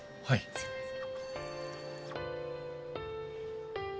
すいません。